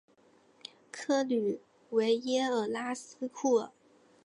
克吕维耶尔拉斯库尔。